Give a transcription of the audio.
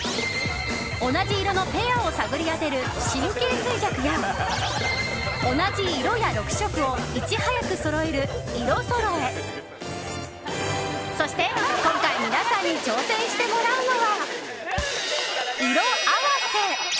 同じ色のペアを探り当てる神経衰弱や同じ色や６色をいち早くそろえる色そろえそして、今回皆さんに挑戦してもらうのは色あわせ！